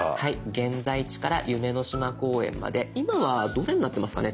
「現在地」から「夢の島公園」まで今はどれになってますかね？